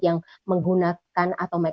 yang menggunakan atau mekesuk